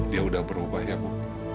dia sudah berubah ya bu